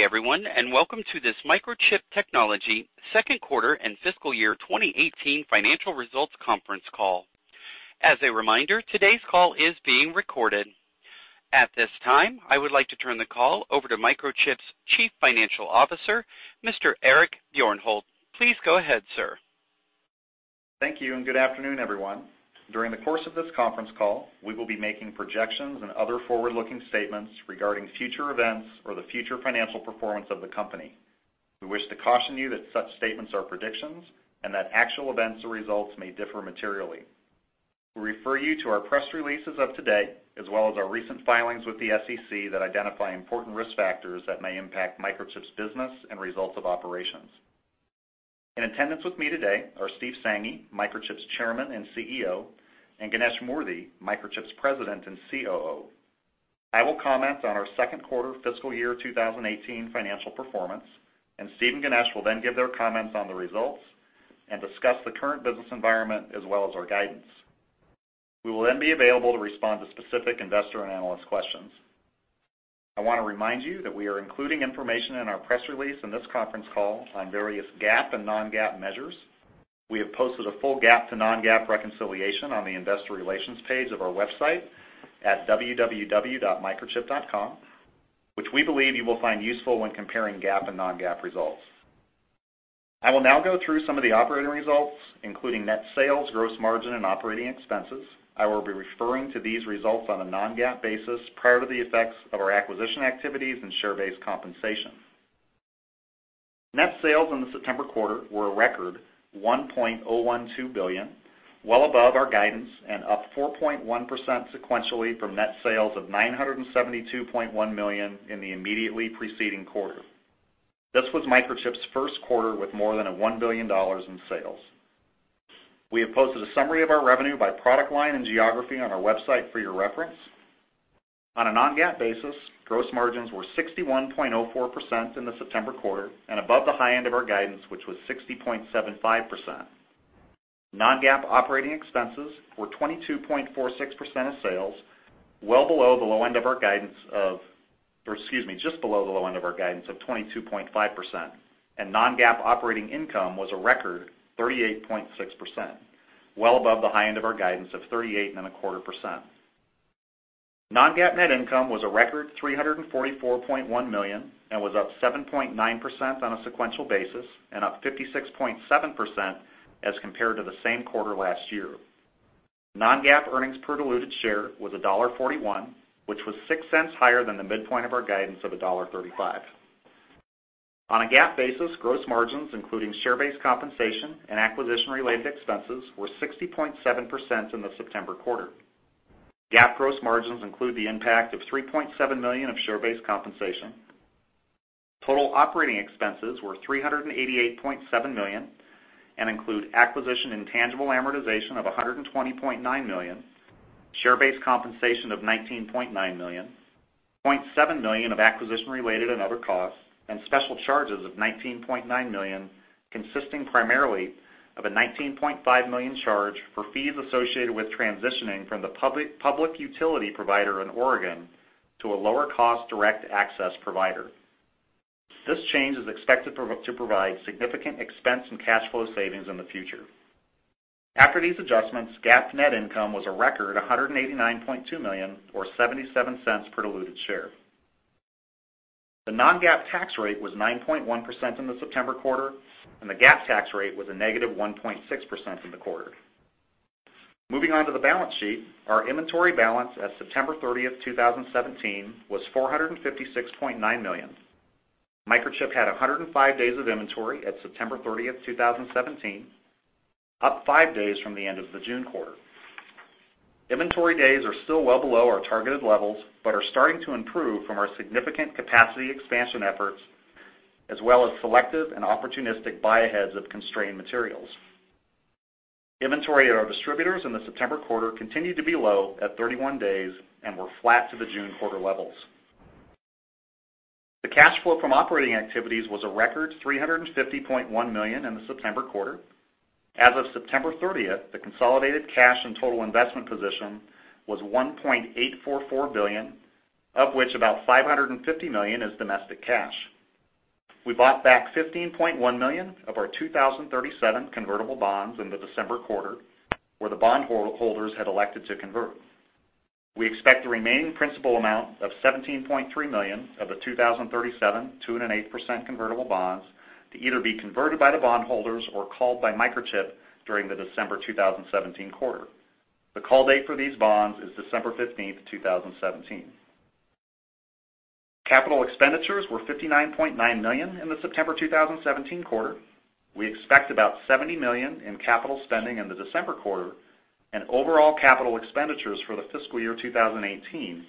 Good day everyone, welcome to this Microchip Technology second quarter and fiscal year 2018 financial results conference call. As a reminder, today's call is being recorded. At this time, I would like to turn the call over to Microchip's Chief Financial Officer, Mr. Eric Bjornholt. Please go ahead, sir. Thank you, good afternoon, everyone. During the course of this conference call, we will be making projections and other forward-looking statements regarding future events or the future financial performance of the company. We wish to caution you that such statements are predictions, and that actual events or results may differ materially. We refer you to our press releases as of today, as well as our recent filings with the SEC that identify important risk factors that may impact Microchip's business and results of operations. In attendance with me today are Steve Sanghi, Microchip's Chairman and CEO, and Ganesh Moorthy, Microchip's President and COO. I will comment on our second quarter fiscal year 2018 financial performance, and Steve and Ganesh will then give their comments on the results and discuss the current business environment as well as our guidance. We will be available to respond to specific investor and analyst questions. I want to remind you that we are including information in our press release in this conference call on various GAAP and non-GAAP measures. We have posted a full GAAP to non-GAAP reconciliation on the investor relations page of our website at www.microchip.com, which we believe you will find useful when comparing GAAP and non-GAAP results. I will now go through some of the operating results, including net sales, gross margin, and operating expenses. I will be referring to these results on a non-GAAP basis prior to the effects of our acquisition activities and share-based compensation. Net sales in the September quarter were a record of $1.012 billion, well above our guidance and up 4.1% sequentially from net sales of $972.1 million in the immediately preceding quarter. This was Microchip's first quarter with more than $1 billion in sales. We have posted a summary of our revenue by product line and geography on our website for your reference. On a non-GAAP basis, gross margins were 61.04% in the September quarter and above the high end of our guidance, which was 60.75%. Non-GAAP operating expenses were 22.46% of sales, well below the low end of our guidance of just below the low end of our guidance of 22.5%. Non-GAAP operating income was a record 38.6%, well above the high end of our guidance of 38.25%. Non-GAAP net income was a record $344.1 million and was up 7.9% on a sequential basis and up 56.7% as compared to the same quarter last year. Non-GAAP earnings per diluted share was $1.41, which was $0.06 higher than the midpoint of our guidance of $1.35. On a GAAP basis, gross margins including share-based compensation and acquisition-related expenses were 60.7% in the September quarter. GAAP gross margins include the impact of $3.7 million of share-based compensation. Total operating expenses were $388.7 million and include acquisition intangible amortization of $120.9 million, share-based compensation of $19.9 million, $0.7 million of acquisition-related and other costs, and special charges of $19.9 million, consisting primarily of a $19.5 million charge for fees associated with transitioning from the public utility provider in Oregon to a lower-cost direct access provider. This change is expected to provide significant expense and cash flow savings in the future. After these adjustments, GAAP net income was a record $189.2 million or $0.77 per diluted share. The non-GAAP tax rate was 9.1% in the September quarter, and the GAAP tax rate was a negative 1.6% in the quarter. Moving on to the balance sheet. Our inventory balance as September 30th, 2017, was $456.9 million. Microchip had 105 days of inventory at September 30th, 2017, up five days from the end of the June quarter. Inventory days are still well below our targeted levels but are starting to improve from our significant capacity expansion efforts, as well as selective and opportunistic buy-ahead of constrained materials. Inventory at our distributors in the September quarter continued to be low at 31 days and were flat to the June quarter levels. The cash flow from operating activities was a record $350.1 million in the September quarter. As of September 30th, the consolidated cash and total investment position was $1.844 billion, of which about $550 million is domestic cash. We bought back $15.1 million of our 2037 convertible bonds in the December quarter, where the bondholders had elected to convert. We expect the remaining principal amount of $17.3 million of the 2037 2.8% convertible bonds to either be converted by the bondholders or called by Microchip during the December 2017 quarter. The call date for these bonds is December 15th, 2017. Capital expenditures were $59.9 million in the September 2017 quarter. We expect about $70 million in capital spending in the December quarter and overall capital expenditures for the fiscal year 2018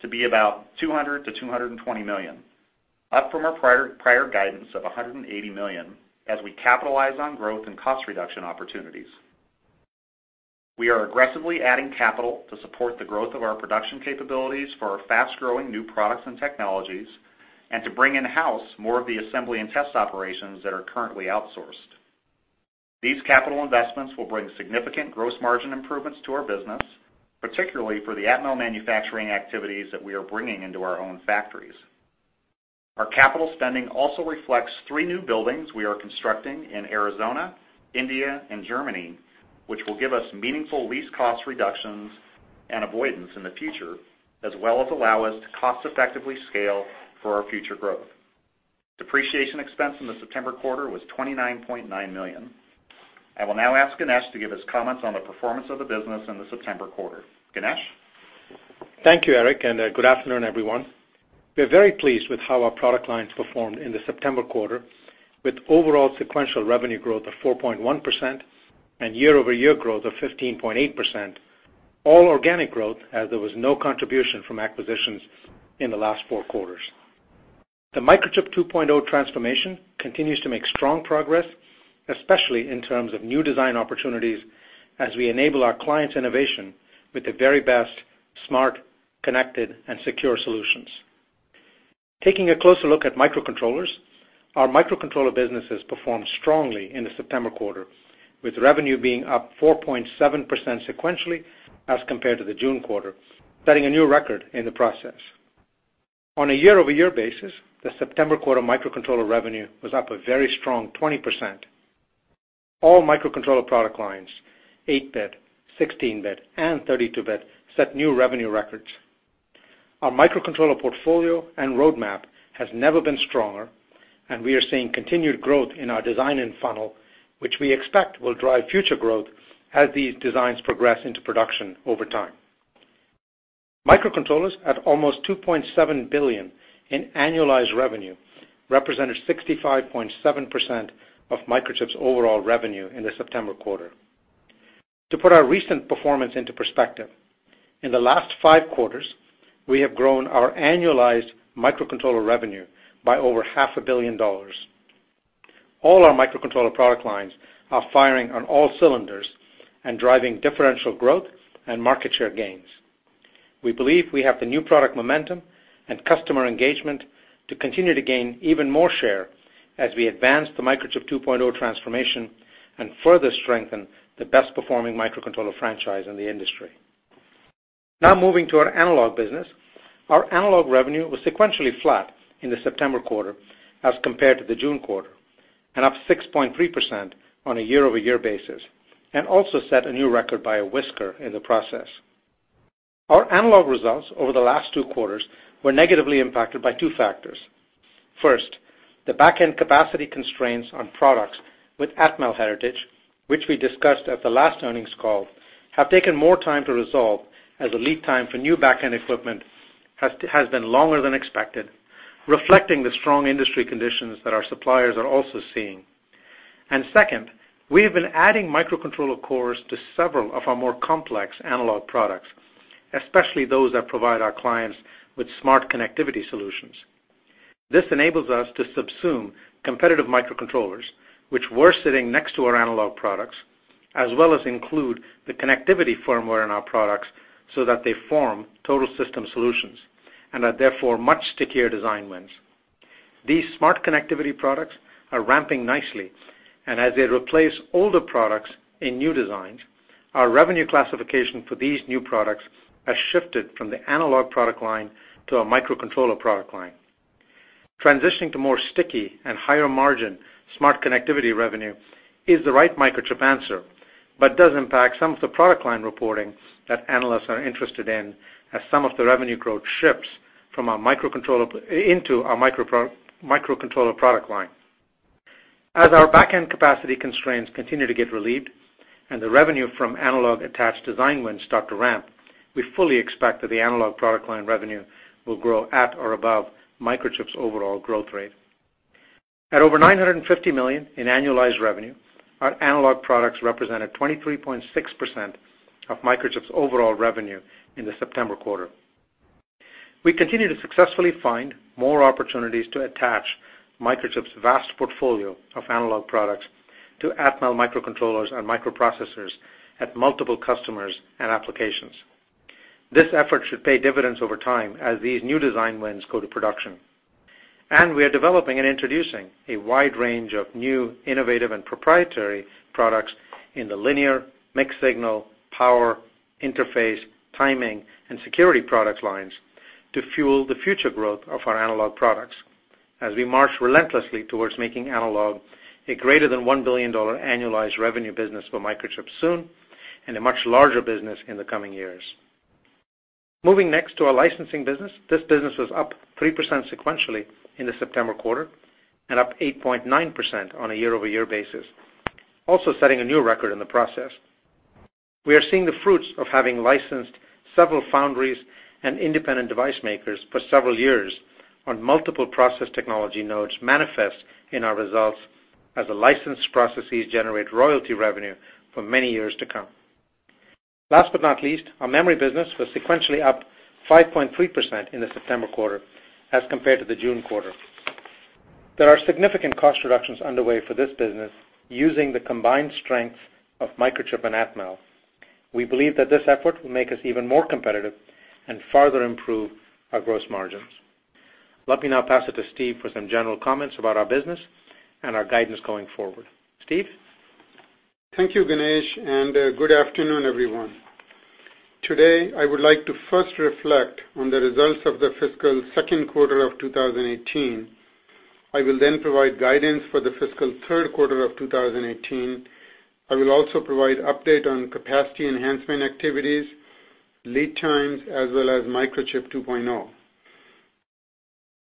to be about $200 million-$220 million, up from our prior guidance of $180 million as we capitalize on growth and cost reduction opportunities. We are aggressively adding capital to support the growth of our production capabilities for our fast-growing new products and technologies and to bring in-house more of the assembly and test operations that are currently outsourced. These capital investments will bring significant gross margin improvements to our business, particularly for the Atmel manufacturing activities that we are bringing into our own factories. Our capital spending also reflects three new buildings we are constructing in Arizona, India, and Germany, which will give us meaningful lease cost reductions and avoidance in the future, as well as allow us to cost-effectively scale for our future growth. Depreciation expense in the September quarter was $29.9 million. I will now ask Ganesh to give his comments on the performance of the business in the September quarter. Ganesh? Thank you, Eric, and good afternoon, everyone. We are very pleased with how our product lines performed in the September quarter, with overall sequential revenue growth of 4.1% and year-over-year growth of 15.8%, all organic growth as there was no contribution from acquisitions in the last four quarters. The Microchip 2.0 transformation continues to make strong progress, especially in terms of new design opportunities as we enable our clients' innovation with the very best smart, connected, and secure solutions. Taking a closer look at microcontrollers, our microcontroller businesses performed strongly in the September quarter, with revenue being up 4.7% sequentially as compared to the June quarter, setting a new record in the process. On a year-over-year basis, the September quarter microcontroller revenue was up a very strong 20%. All microcontroller product lines, 8-bit, 16-bit, and 32-bit, set new revenue records. Our microcontroller portfolio and roadmap has never been stronger. We are seeing continued growth in our design-in funnel, which we expect will drive future growth as these designs progress into production over time. Microcontrollers, at almost $2.7 billion in annualized revenue, represented 65.7% of Microchip's overall revenue in the September quarter. To put our recent performance into perspective, in the last five quarters, we have grown our annualized microcontroller revenue by over half a billion dollars. All our microcontroller product lines are firing on all cylinders and driving differential growth and market share gains. We believe we have the new product momentum and customer engagement to continue to gain even more share as we advance the Microchip 2.0 transformation and further strengthen the best performing microcontroller franchise in the industry. Now moving to our analog business. Our analog revenue was sequentially flat in the September quarter as compared to the June quarter. Up 6.3% on a year-over-year basis, also set a new record by a whisker in the process. Our analog results over the last two quarters were negatively impacted by two factors. First, the backend capacity constraints on products with Atmel heritage, which we discussed at the last earnings call, have taken more time to resolve as the lead time for new backend equipment has been longer than expected, reflecting the strong industry conditions that our suppliers are also seeing. Second, we have been adding microcontroller cores to several of our more complex analog products, especially those that provide our clients with smart connectivity solutions. This enables us to subsume competitive microcontrollers, which were sitting next to our analog products, as well as include the connectivity firmware in our products so that they form total system solutions and are therefore much stickier design wins. These smart connectivity products are ramping nicely. As they replace older products in new designs, our revenue classification for these new products has shifted from the analog product line to our microcontroller product line. Transitioning to more sticky and higher margin smart connectivity revenue is the right Microchip answer, does impact some of the product line reporting that analysts are interested in as some of the revenue growth shifts into our microcontroller product line. As our backend capacity constraints continue to get relieved and the revenue from analog attached design wins start to ramp, we fully expect that the analog product line revenue will grow at or above Microchip's overall growth rate. At over $950 million in annualized revenue, our analog products represented 23.6% of Microchip's overall revenue in the September quarter. We continue to successfully find more opportunities to attach Microchip's vast portfolio of analog products to Atmel microcontrollers and microprocessors at multiple customers and applications. This effort should pay dividends over time as these new design wins go to production. We are developing and introducing a wide range of new innovative and proprietary products in the linear, mixed signal, power, interface, timing, and security product lines to fuel the future growth of our analog products as we march relentlessly towards making analog a greater than $1 billion annualized revenue business for Microchip soon, and a much larger business in the coming years. Moving next to our licensing business. This business was up 3% sequentially in the September quarter, and up 8.9% on a year-over-year basis, also setting a new record in the process. We are seeing the fruits of having licensed several foundries and independent device makers for several years on multiple process technology nodes manifest in our results as the licensed processes generate royalty revenue for many years to come. Last but not least, our memory business was sequentially up 5.3% in the September quarter as compared to the June quarter. There are significant cost reductions underway for this business using the combined strength of Microchip and Atmel. We believe that this effort will make us even more competitive and further improve our gross margins. Let me now pass it to Steve for some general comments about our business and our guidance going forward. Steve? Thank you, Ganesh, and good afternoon, everyone. Today, I would like to first reflect on the results of the fiscal second quarter of 2018. I will then provide guidance for the fiscal third quarter of 2018. I will also provide update on capacity enhancement activities, lead times, as well as Microchip 2.0.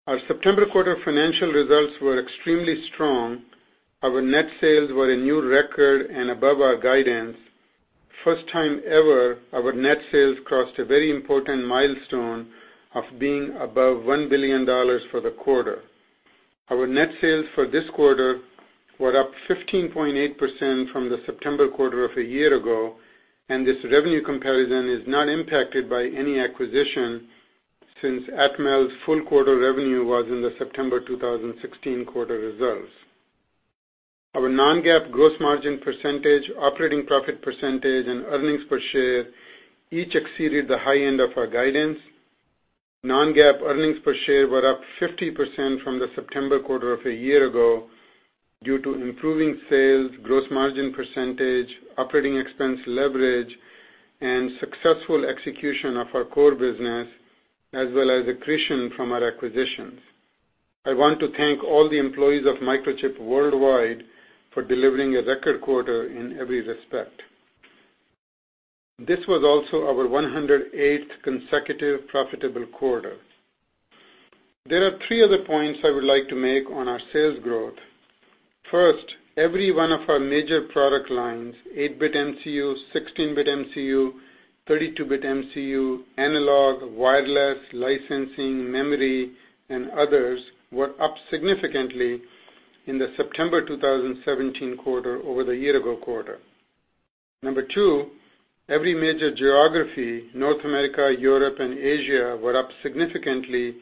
Our September quarter financial results were extremely strong. Our net sales were a new record and above our guidance. First time ever, our net sales crossed a very important milestone of being above $1 billion for the quarter. Our net sales for this quarter were up 15.8% from the September quarter of a year ago, and this revenue comparison is not impacted by any acquisition since Atmel's full quarter revenue was in the September 2016 quarter results. Our non-GAAP gross margin percentage, operating profit percentage, and earnings per share each exceeded the high end of our guidance. Non-GAAP earnings per share were up 50% from the September quarter of a year ago due to improving sales, gross margin percentage, operating expense leverage, and successful execution of our core business, as well as accretion from our acquisitions. I want to thank all the employees of Microchip worldwide for delivering a record quarter in every respect. This was also our 108th consecutive profitable quarter. There are three other points I would like to make on our sales growth. First, every one of our major product lines, 8-bit MCU, 16-bit MCU, 32-bit MCU, analog, wireless, licensing, memory, and others, were up significantly in the September 2017 quarter over the year-ago quarter. Number two, every major geography, North America, Europe, and Asia, were up significantly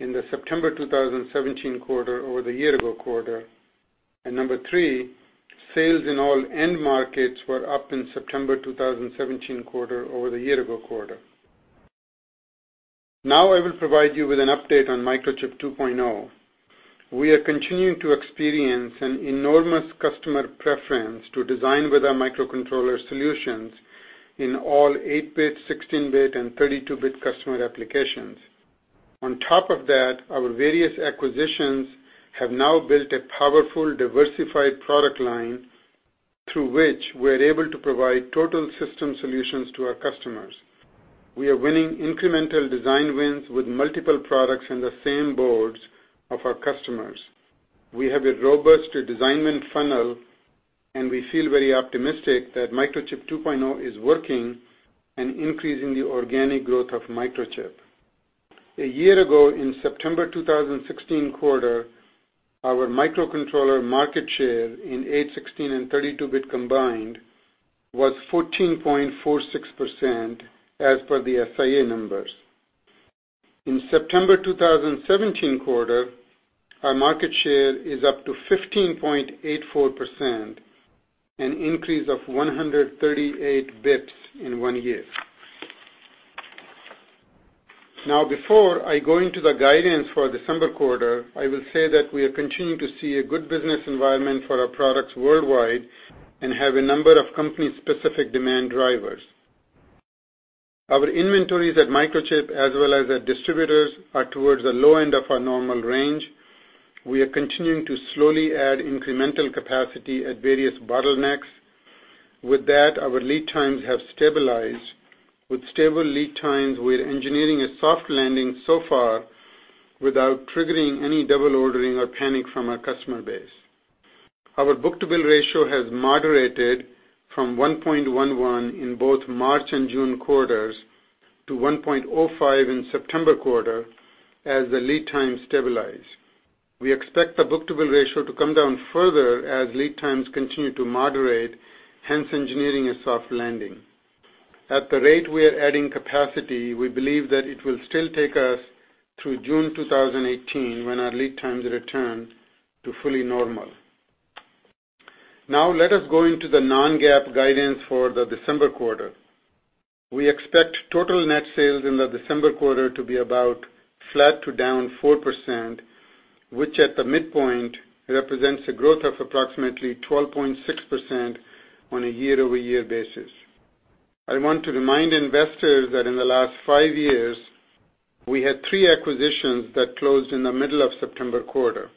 in the September 2017 quarter over the year-ago quarter. Number three, sales in all end markets were up in September 2017 quarter over the year-ago quarter. Now I will provide you with an update on Microchip 2.0. We are continuing to experience an enormous customer preference to design with our microcontroller solutions in all 8-bit, 16-bit, and 32-bit customer applications. On top of that, our various acquisitions have now built a powerful, diversified product line through which we are able to provide total system solutions to our customers. We are winning incremental design wins with multiple products in the same boards of our customers. We have a robust design win funnel, and we feel very optimistic that Microchip 2.0 is working and increasing the organic growth of Microchip. A year ago, in September 2016 quarter, our microcontroller market share in eight, 16, and 32-bit combined was 14.46% as per the SIA numbers. In September 2017 quarter, our market share is up to 15.84%, an increase of 138 bps in one year. Now, before I go into the guidance for December quarter, I will say that we are continuing to see a good business environment for our products worldwide and have a number of company-specific demand drivers. Our inventories at Microchip as well as our distributors are towards the low end of our normal range. We are continuing to slowly add incremental capacity at various bottlenecks. With that, our lead times have stabilized. With stable lead times, we are engineering a soft landing so far without triggering any double ordering or panic from our customer base. Our book-to-bill ratio has moderated from 1.11 in both March and June quarters to 1.05 in September quarter as the lead time stabilized. We expect the book-to-bill ratio to come down further as lead times continue to moderate, hence engineering a soft landing. At the rate we are adding capacity, we believe that it will still take us through June 2018 when our lead times return to fully normal. Now let us go into the non-GAAP guidance for the December quarter. We expect total net sales in the December quarter to be about flat to down 4%, which at the midpoint represents a growth of approximately 12.6% on a year-over-year basis. I want to remind investors that in the last five years, we had three acquisitions that closed in the middle of September quarter.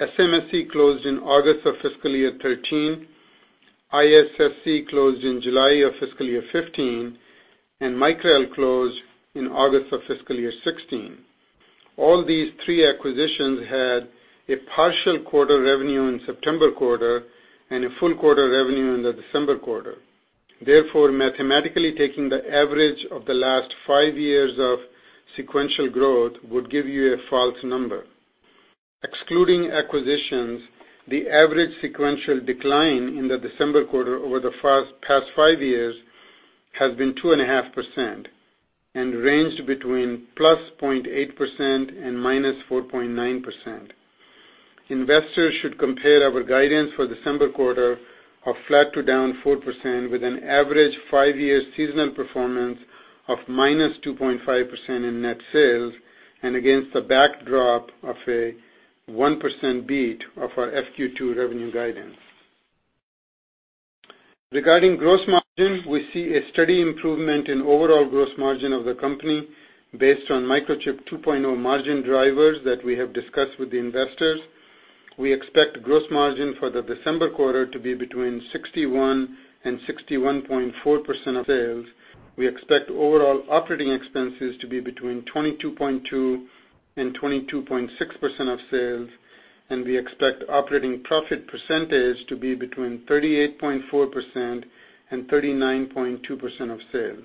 SMSC closed in August of fiscal year 2013, ISSC closed in July of fiscal year 2015, and Micrel closed in August of fiscal year 2016. All these three acquisitions had a partial quarter revenue in September quarter and a full quarter revenue in the December quarter. Therefore, mathematically, taking the average of the last five years of sequential growth would give you a false number. Excluding acquisitions, the average sequential decline in the December quarter over the past five years has been 2.5% and ranged between +0.8% and -4.9%. Investors should compare our guidance for December quarter of flat to down 4%, with an average five-year seasonal performance of -2.5% in net sales, and against the backdrop of a 1% beat of our FQ2 revenue guidance. Regarding gross margin, we see a steady improvement in overall gross margin of the company based on Microchip 2.0 margin drivers that we have discussed with the investors. We expect gross margin for the December quarter to be between 61% and 61.4% of sales. We expect overall operating expenses to be between 22.2% and 22.6% of sales, we expect operating profit percentage to be between 38.4% and 39.2% of sales.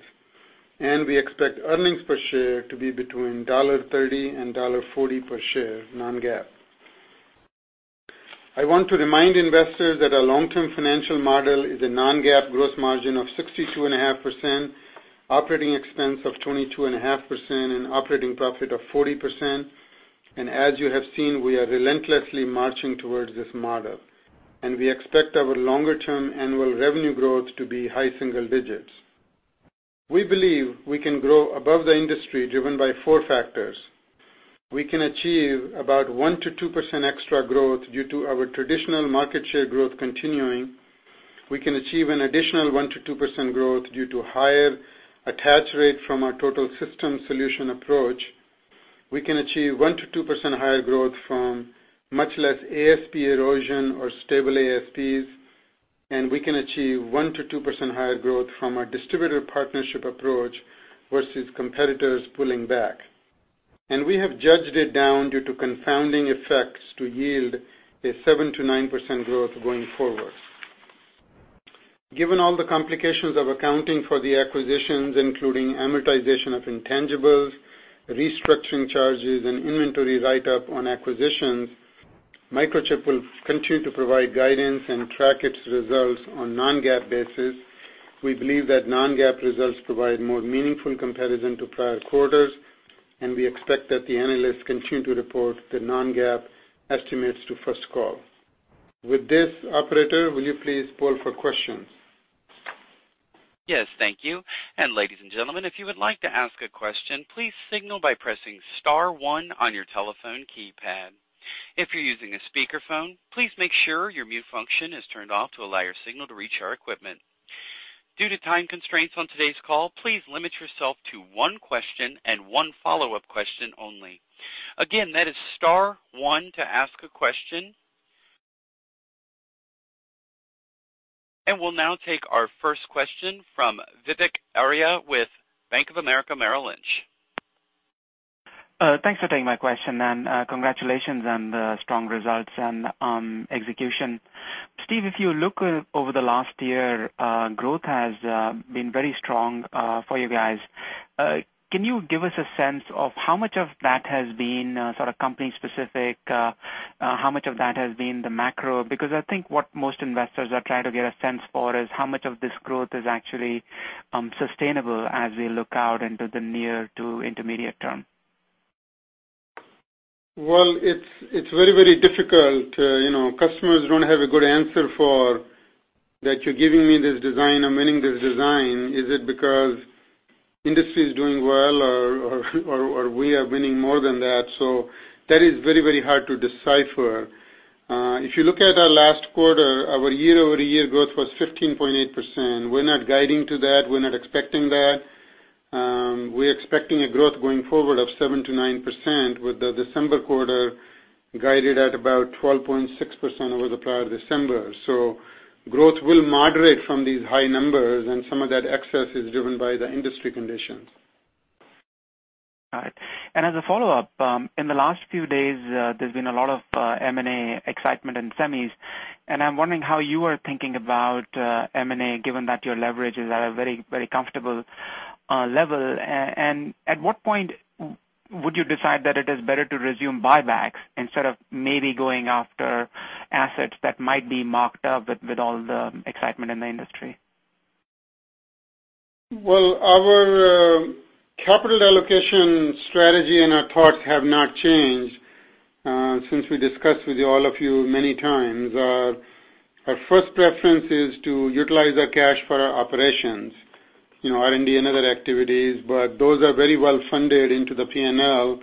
We expect earnings per share to be between $1.30 and $1.40 per share non-GAAP. I want to remind investors that our long-term financial model is a non-GAAP gross margin of 62.5%, operating expense of 22.5%, and operating profit of 40%. As you have seen, we are relentlessly marching towards this model, and we expect our longer-term annual revenue growth to be high single digits. We believe we can grow above the industry, driven by four factors. We can achieve about 1%-2% extra growth due to our traditional market share growth continuing. We can achieve an additional 1%-2% growth due to higher attach rate from our total system solution approach. We can achieve 1%-2% higher growth from much less ASP erosion or stable ASPs, we can achieve 1%-2% higher growth from our distributor partnership approach versus competitors pulling back. We have judged it down due to confounding effects to yield a 7%-9% growth going forward. Given all the complications of accounting for the acquisitions, including amortization of intangibles, restructuring charges, and inventory write-up on acquisitions, Microchip will continue to provide guidance and track its results on non-GAAP basis. We believe that non-GAAP results provide more meaningful comparison to prior quarters, and we expect that the analysts continue to report the non-GAAP estimates to First Call. With this, operator, will you please poll for questions? Yes, thank you. Ladies and gentlemen, if you would like to ask a question, please signal by pressing *1 on your telephone keypad. If you're using a speakerphone, please make sure your mute function is turned off to allow your signal to reach our equipment. Due to time constraints on today's call, please limit yourself to one question and one follow-up question only. Again, that is *1 to ask a question. We'll now take our first question from Vivek Arya with Bank of America Merrill Lynch. Thanks for taking my question. Congratulations on the strong results and on execution. Steve, if you look over the last year, growth has been very strong for you guys. Can you give us a sense of how much of that has been company specific? How much of that has been the macro? Because I think what most investors are trying to get a sense for is how much of this growth is actually sustainable as we look out into the near to intermediate term. Well, it's very, very difficult. Customers don't have a good answer for, that you're giving me this design, I'm winning this design. Is it because industry is doing well or we are winning more than that? That is very, very hard to decipher. If you look at our last quarter, our year-over-year growth was 15.8%. We're not guiding to that. We're not expecting that. We're expecting a growth going forward of 7%-9% with the December quarter guided at about 12.6% over the prior December. Growth will moderate from these high numbers, and some of that excess is driven by the industry conditions. All right. As a follow-up, in the last few days, there's been a lot of M&A excitement in semis, and I'm wondering how you are thinking about M&A, given that your leverage is at a very comfortable level. At what point would you decide that it is better to resume buybacks instead of maybe going after assets that might be marked up with all the excitement in the industry? Well, our capital allocation strategy and our thoughts have not changed since we discussed with all of you many times. Our first preference is to utilize our cash for our operations, R&D, and other activities. Those are very well funded into the P&L,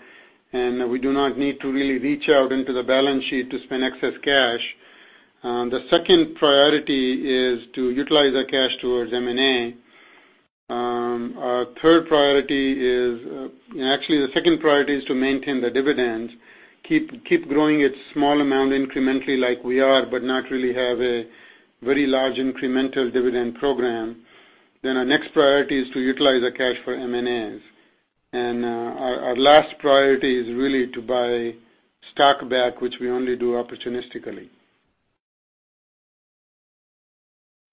and we do not need to really reach out into the balance sheet to spend excess cash. The second priority is to utilize our cash towards M&A. Actually, the second priority is to maintain the dividend, keep growing it small amount incrementally like we are, but not really have a very large incremental dividend program. Our next priority is to utilize our cash for M&As. Our last priority is really to buy stock back, which we only do opportunistically.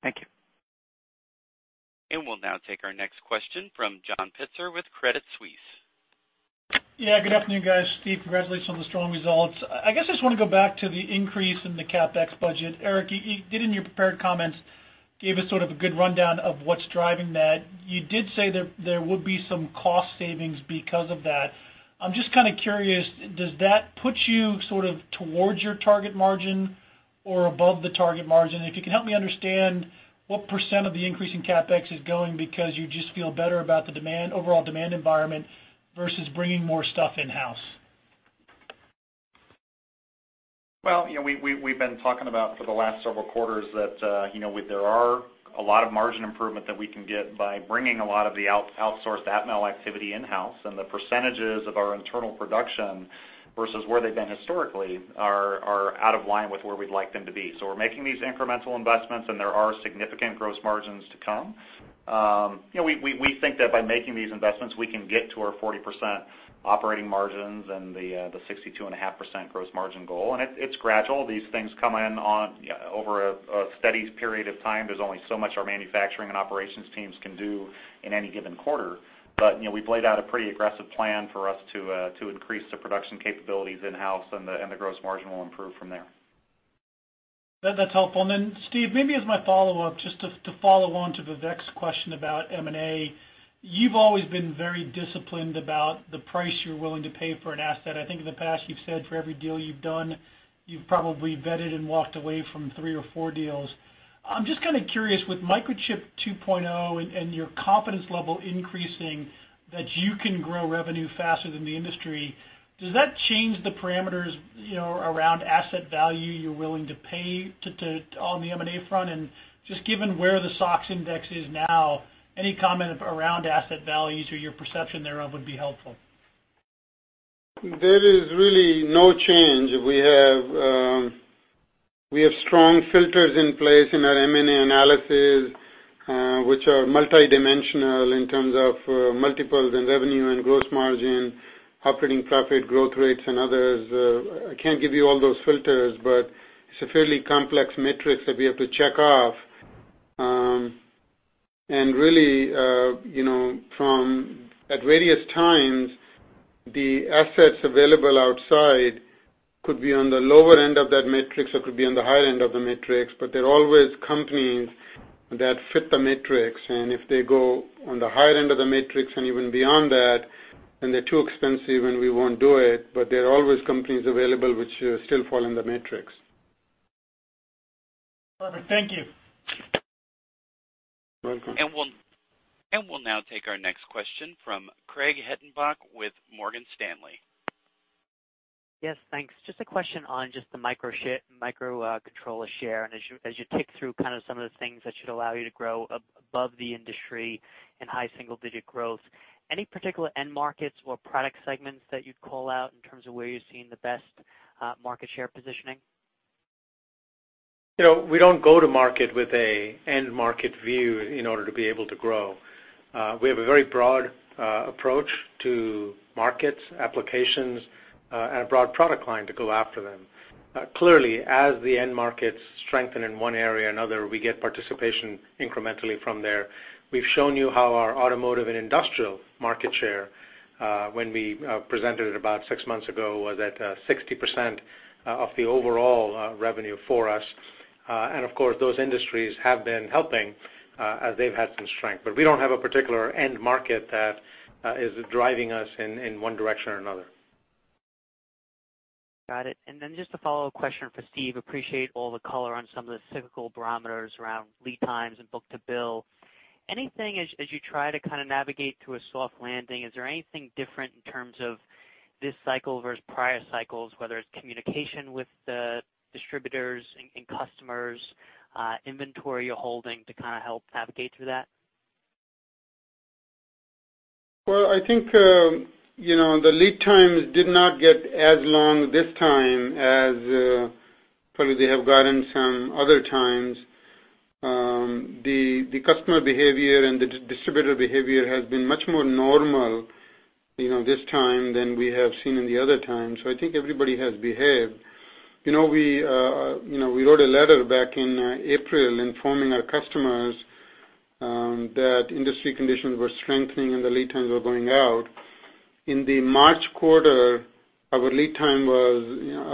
Thank you. We'll now take our next question from John Pitzer with Credit Suisse. Yeah, good afternoon, guys. Steve, congratulations on the strong results. I guess I just want to go back to the increase in the CapEx budget. Eric, it did in your prepared comments gave us sort of a good rundown of what's driving that. You did say that there would be some cost savings because of that. I'm just kind of curious, does that put you sort of towards your target margin or above the target margin? If you can help me understand what % of the increase in CapEx is going because you just feel better about the overall demand environment versus bringing more stuff in-house. Well, we've been talking about for the last several quarters that there are a lot of margin improvement that we can get by bringing a lot of the outsourced Atmel activity in-house, and the percentages of our internal production versus where they've been historically are out of line with where we'd like them to be. We're making these incremental investments, and there are significant gross margins to come. We think that by making these investments, we can get to our 40% operating margins and the 62.5% gross margin goal. It's gradual. These things come in over a steady period of time. There's only so much our manufacturing and operations teams can do in any given quarter. We've laid out a pretty aggressive plan for us to increase the production capabilities in-house, and the gross margin will improve from there. That's helpful. Steve, maybe as my follow-up, just to follow on to Vivek's question about M&A, you've always been very disciplined about the price you're willing to pay for an asset. I think in the past you've said for every deal you've done, you've probably vetted and walked away from three or four deals. I'm just kind of curious, with Microchip 2.0 and your confidence level increasing that you can grow revenue faster than the industry, does that change the parameters around asset value you're willing to pay on the M&A front? Given where the SOX index is now, any comment around asset values or your perception thereof would be helpful. There is really no change. We have strong filters in place in our M&A analysis, which are multidimensional in terms of multiples and revenue and gross margin, operating profit growth rates and others. I can't give you all those filters, it's a fairly complex matrix that we have to check off. At various times, the assets available outside could be on the lower end of that matrix or could be on the higher end of the matrix, they're always companies that fit the matrix, if they go on the higher end of the matrix even beyond that, they're too expensive, we won't do it. There are always companies available which still fall in the matrix. Perfect. Thank you. Welcome. We'll now take our next question from Craig Hettenbach with Morgan Stanley. Yes, thanks. Just a question on just the microcontroller share. As you tick through kind of some of the things that should allow you to grow above the industry in high single-digit growth, any particular end markets or product segments that you'd call out in terms of where you're seeing the best market share positioning? We don't go to market with an end market view in order to be able to grow. We have a very broad approach to markets, applications, and a broad product line to go after them. Clearly, as the end markets strengthen in one area or another, we get participation incrementally from there. We've shown you how our automotive and industrial market share, when we presented it about six months ago, was at 60% of the overall revenue for us. Of course, those industries have been helping, as they've had some strength. We don't have a particular end market that is driving us in one direction or another. Got it. Just a follow-up question for Steve. Appreciate all the color on some of the cyclical barometers around lead times and book-to-bill. Anything as you try to kind of navigate to a soft landing, is there anything different in terms of this cycle versus prior cycles, whether it's communication with the distributors and customers, inventory you're holding to kind of help navigate through that? I think, the lead times did not get as long this time as probably they have gotten some other times. The customer behavior and the distributor behavior has been much more normal this time than we have seen in the other times. I think everybody has behaved. We wrote a letter back in April informing our customers that industry conditions were strengthening, and the lead times were going out. In the March quarter, our book-to-bill ratio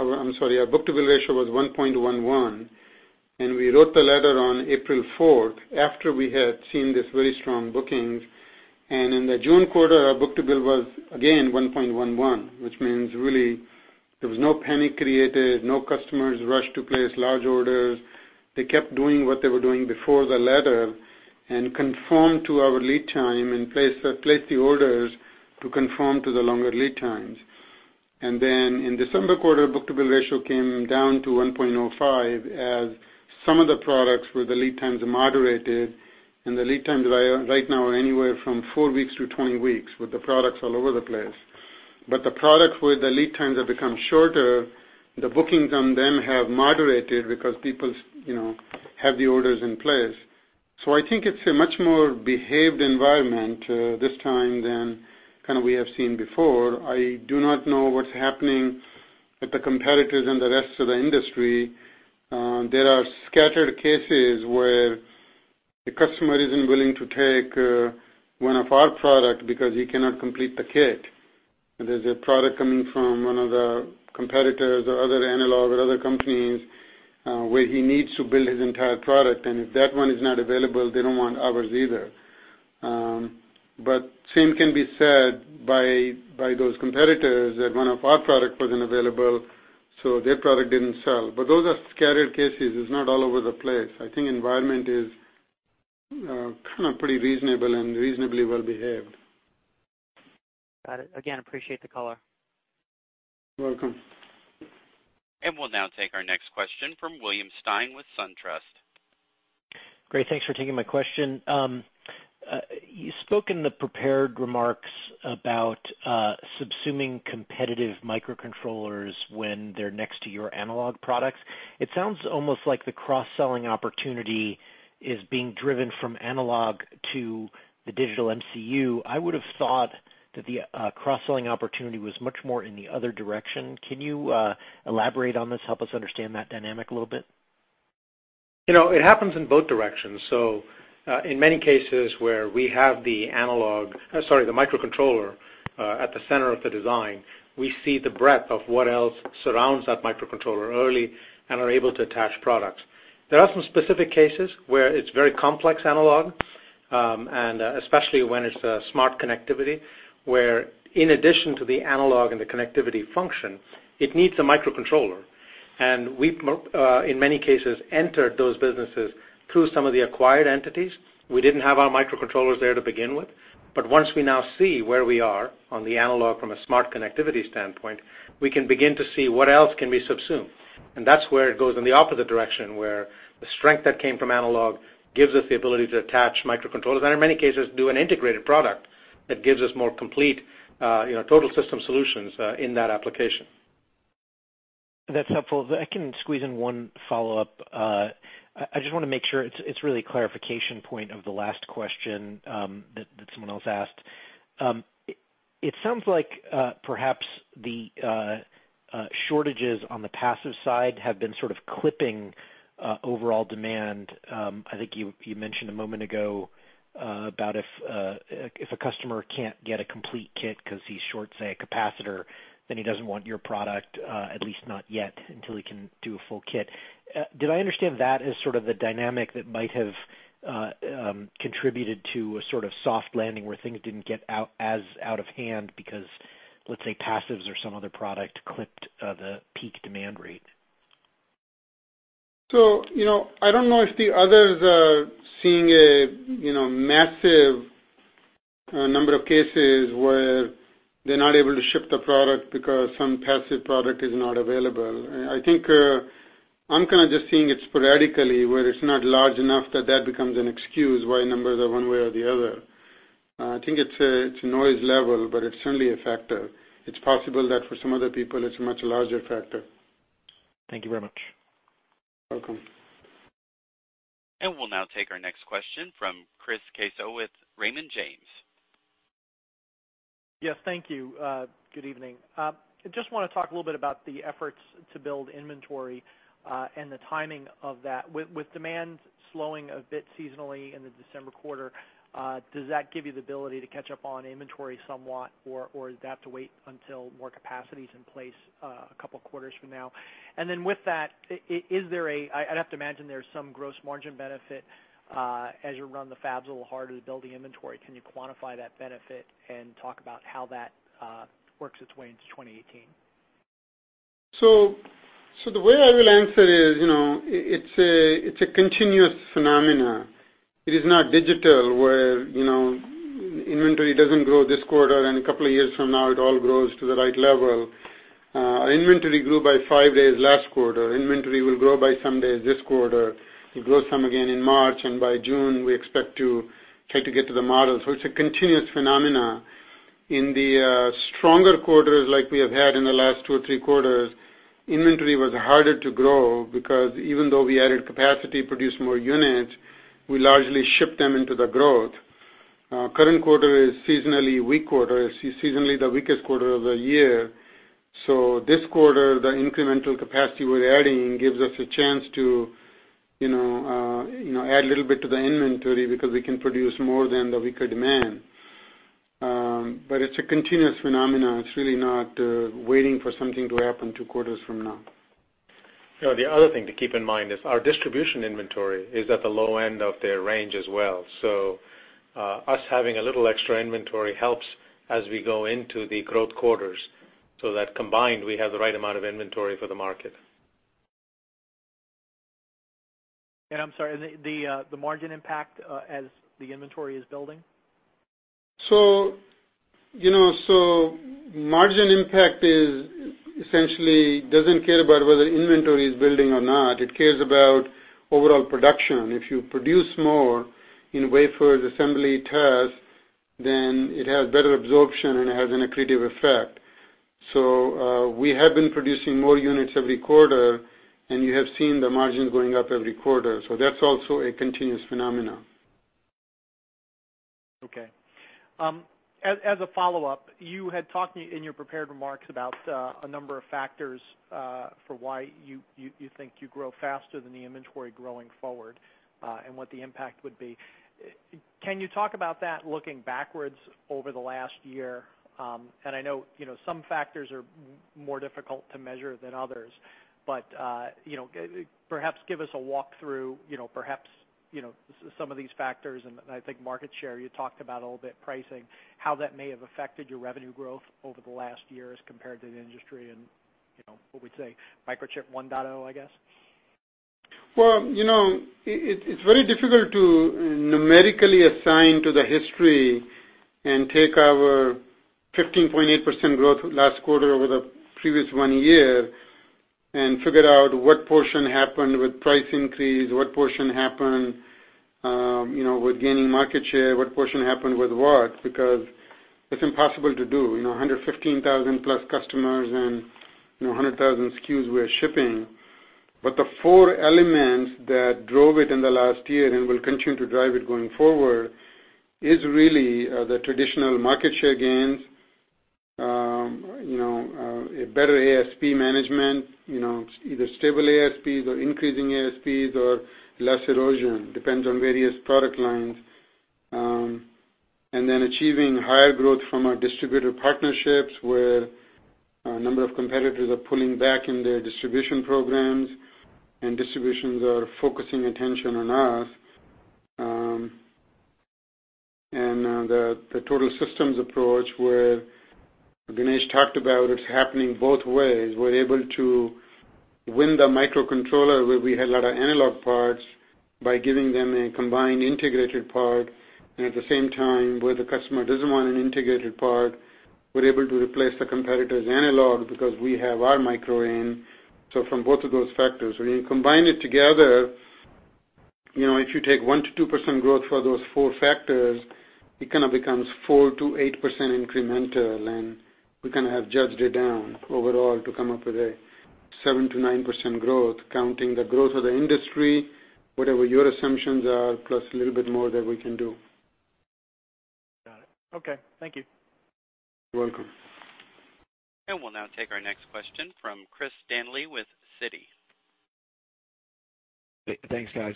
was 1.11, and we wrote the letter on April 4th after we had seen these very strong bookings. In the June quarter, our book-to-bill was again 1.11, which means really there was no panic created, no customers rushed to place large orders. They kept doing what they were doing before the letter and conformed to our lead time and placed the orders to conform to the longer lead times. In December quarter, book-to-bill ratio came down to 1.05 as some of the products where the lead times moderated, and the lead times right now are anywhere from four weeks to 20 weeks, with the products all over the place. The products where the lead times have become shorter, the bookings on them have moderated because people have the orders in place. I think it's a much more behaved environment this time than kind of we have seen before. I do not know what's happening with the competitors and the rest of the industry. There are scattered cases where the customer isn't willing to take one of our products because he cannot complete the kit There's a product coming from one of the competitors or other analog at other companies, where he needs to build his entire product, and if that one is not available, they don't want ours either. Same can be said by those competitors, that one of our product wasn't available, so their product didn't sell. Those are scattered cases. It's not all over the place. I think environment is kind of pretty reasonable and reasonably well-behaved. Got it. Again, appreciate the color. You're welcome. We'll now take our next question from William Stein with SunTrust. Great. Thanks for taking my question. You spoke in the prepared remarks about subsuming competitive microcontrollers when they're next to your analog products. It sounds almost like the cross-selling opportunity is being driven from analog to the digital MCU. I would have thought that the cross-selling opportunity was much more in the other direction. Can you elaborate on this, help us understand that dynamic a little bit? It happens in both directions. In many cases where we have the analog, sorry, the microcontroller at the center of the design, we see the breadth of what else surrounds that microcontroller early and are able to attach products. There are some specific cases where it's very complex analog, and especially when it's the smart connectivity, where in addition to the analog and the connectivity function, it needs a microcontroller. We've, in many cases, entered those businesses through some of the acquired entities. We didn't have our microcontrollers there to begin with. Once we now see where we are on the analog from a smart connectivity standpoint, we can begin to see what else can we subsume. That's where it goes in the opposite direction, where the strength that came from analog gives us the ability to attach microcontrollers, and in many cases, do an integrated product that gives us more complete total system solutions in that application. That's helpful. If I can squeeze in one follow-up. I just want to make sure, it's really a clarification point of the last question that someone else asked. It sounds like perhaps the shortages on the passive side have been sort of clipping overall demand. I think you mentioned a moment ago about if a customer can't get a complete kit because he's short, say, a capacitor, then he doesn't want your product, at least not yet, until he can do a full kit. Did I understand that as sort of the dynamic that might have contributed to a sort of soft landing where things didn't get as out of hand because, let's say, passives or some other product clipped the peak demand rate? I don't know if the others are seeing a massive number of cases where they're not able to ship the product because some passive product is not available. I think I'm kind of just seeing it sporadically where it's not large enough that that becomes an excuse why numbers are one way or the other. I think it's noise level, but it's certainly a factor. It's possible that for some other people, it's a much larger factor. Thank you very much. You're welcome. We'll now take our next question from Chris Caso with Raymond James. Yes, thank you. Good evening. I just want to talk a little bit about the efforts to build inventory and the timing of that. With demand slowing a bit seasonally in the December quarter, does that give you the ability to catch up on inventory somewhat, or does that have to wait until more capacity is in place a couple of quarters from now? With that, I'd have to imagine there's some gross margin benefit as you run the fabs a little harder to build the inventory. Can you quantify that benefit and talk about how that works its way into 2018? The way I will answer is, it's a continuous phenomena. It is not digital where inventory doesn't grow this quarter and a couple of years from now it all grows to the right level. Our inventory grew by five days last quarter. Inventory will grow by some days this quarter. It'll grow some again in March, and by June, we expect to try to get to the model. It's a continuous phenomena. In the stronger quarters like we have had in the last two or three quarters, inventory was harder to grow because even though we added capacity to produce more units, we largely shipped them into the growth. Current quarter is seasonally weak quarter. It's seasonally the weakest quarter of the year. This quarter, the incremental capacity we're adding gives us a chance to add a little bit to the inventory because we can produce more than the weaker demand. It's a continuous phenomena. It's really not waiting for something to happen two quarters from now. The other thing to keep in mind is our distribution inventory is at the low end of their range as well. Us having a little extra inventory helps as we go into the growth quarters, so that combined, we have the right amount of inventory for the market. I'm sorry, the margin impact as the inventory is building? Margin impact essentially doesn't care about whether inventory is building or not. It cares about overall production. If you produce more in wafers, assembly, test, then it has better absorption and it has an accretive effect. We have been producing more units every quarter, and you have seen the margin going up every quarter. That's also a continuous phenomenon. Okay. As a follow-up, you had talked in your prepared remarks about a number of factors for why you think you grow faster than the inventory growing forward and what the impact would be. Can you talk about that looking backwards over the last year? I know some factors are more difficult to measure than others, but perhaps give us a walkthrough, perhaps some of these factors, and I think market share, you talked about a little bit pricing, how that may have affected your revenue growth over the last year as compared to the industry and, what we'd say, Microchip 1.0, I guess. It's very difficult to numerically assign to the history and take our 15.8% growth last quarter over the previous one year and figure out what portion happened with price increase, what portion happened with gaining market share, what portion happened with what, because it's impossible to do. 115,000+ customers and 100,000 SKUs we are shipping. The four elements that drove it in the last year and will continue to drive it going forward is really the traditional market share gains, a better ASP management, either stable ASPs or increasing ASPs or less erosion, depends on various product lines. Achieving higher growth from our distributor partnerships where a number of competitors are pulling back in their distribution programs and distributions are focusing attention on us. The total systems approach where Ganesh talked about it's happening both ways. We're able to win the microcontroller where we had a lot of analog parts by giving them a combined integrated part, and at the same time, where the customer doesn't want an integrated part, we're able to replace the competitor's analog because we have our microIN. From both of those factors. When you combine it together, if you take 1%-2% growth for those four factors, it kind of becomes 4%-8% incremental, and we kind of have judged it down overall to come up with a 7%-9% growth, counting the growth of the industry, whatever your assumptions are, plus a little bit more that we can do. Got it. Okay. Thank you. You're welcome. We'll now take our next question from Chris Danely with Citi. Thanks, guys.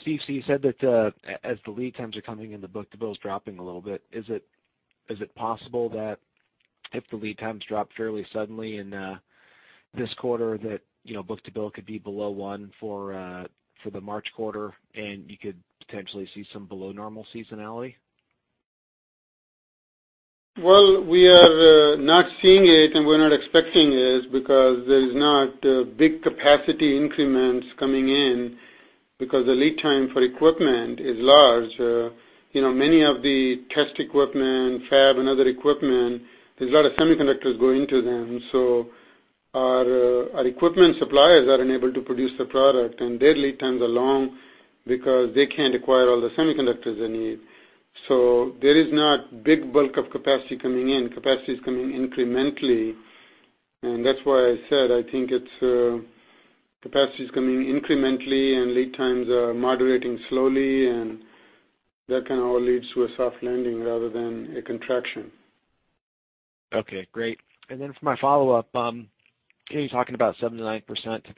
Steve, you said that as the lead times are coming in the book-to-bill's dropping a little bit. Is it possible that if the lead times drop fairly suddenly in this quarter, that book-to-bill could be below one for the March quarter and you could potentially see some below normal seasonality? We are not seeing it, and we're not expecting it because there's not big capacity increments coming in because the lead time for equipment is large. Many of the test equipment, fab and other equipment, there's a lot of semiconductors go into them. Our equipment suppliers are unable to produce the product, and their lead times are long because they can't acquire all the semiconductors they need. There is not big bulk of capacity coming in. Capacity is coming incrementally, and that's why I said I think capacity is coming incrementally and lead times are moderating slowly, and that kind of all leads to a soft landing rather than a contraction. Okay, great. For my follow-up, you're talking about 7%-9%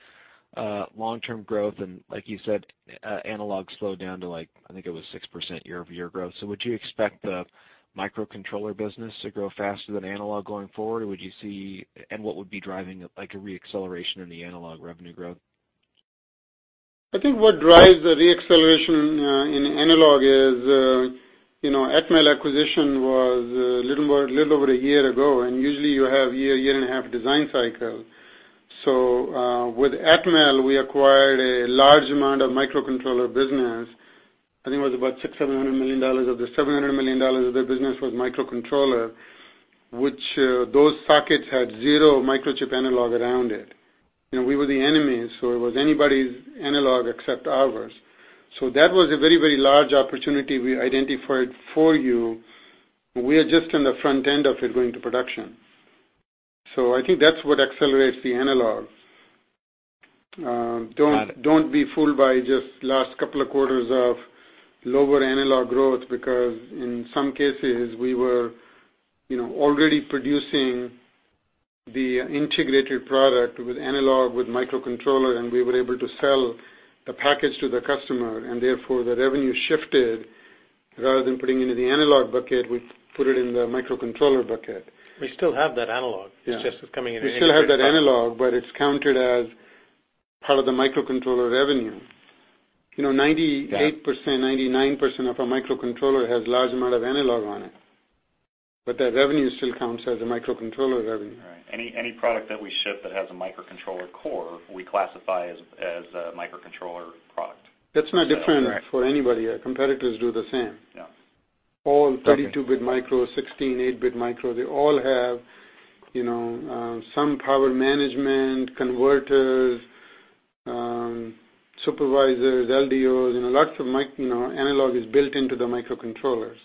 long-term growth, and like you said, analog slowed down to like, I think it was 6% year-over-year growth. Would you expect the microcontroller business to grow faster than analog going forward? Would you see, and what would be driving, like, a re-acceleration in the analog revenue growth? I think what drives the re-acceleration in analog is Atmel acquisition was a little over a year ago. Usually you have year and a half design cycle. With Atmel, we acquired a large amount of microcontroller business. I think it was about $600 million, $700 million of their business was microcontroller, which those sockets had zero Microchip analog around it. We were the enemies, so it was anybody's analog except ours. That was a very large opportunity we identified for you. We are just in the front end of it going to production. I think that's what accelerates the analog. Got it. Don't be fooled by just last couple of quarters of lower analog growth because in some cases we were already producing the integrated product with analog, with microcontroller. We were able to sell the package to the customer. Therefore the revenue shifted. Rather than putting into the analog bucket, we put it in the microcontroller bucket. We still have that analog. Yeah. It's just it's coming in an integrated product. We still have that analog, but it's counted as part of the microcontroller revenue. 98%, 99% of a microcontroller has large amount of analog on it, that revenue still counts as a microcontroller revenue. Right. Any product that we ship that has a microcontroller core, we classify as a microcontroller product. That's not different for anybody. Our competitors do the same. Yeah. All 32-bit micro, 16, 8-bit micro, they all have some power management, converters, supervisors, LDOs, lots of analog is built into the microcontrollers.